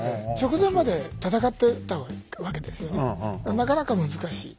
なかなか難しい。